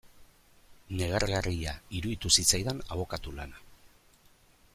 Negargarria iruditu zitzaidan abokatu lana.